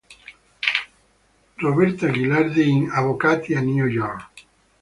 Roberta Gilardi in "Avvocati a New York".